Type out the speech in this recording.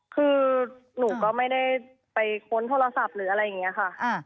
คือหนูก็ไม่ได้ไปค้นโทรศัพท์หรืออะไรอย่างนี้ค่ะ